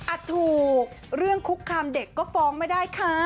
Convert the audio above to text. ถูกเรื่องคุกคามเด็กก็ฟ้องไม่ได้ค่ะ